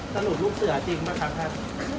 สนุกลูกเสือจริงไหมครับครับ